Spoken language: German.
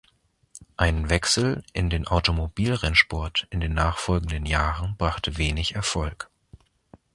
Ein Wechsel in den Automobilrennsport in den nachfolgenden Jahren brachte wenig Erfolg.